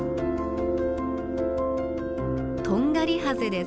トンガリハゼです。